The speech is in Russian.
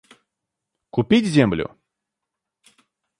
Купить землю?